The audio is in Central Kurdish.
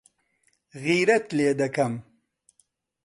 غیرەت لێ دەکەم.